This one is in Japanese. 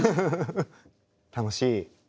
楽しい。